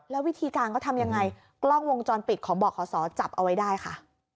แล้ววิธีการเขาทำยังไงกล้องวงจรปิดของบ่อขศจับเอาไว้ได้ค่ะ